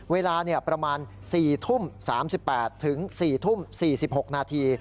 เวลาประมาณ๔ทุ่ม๓๘ถึง๔ทุ่ม๔๖นาที